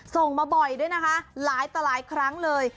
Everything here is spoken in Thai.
ส่งมาบ่อยด้วยนะคะหลายต่อหลายครั้งเลย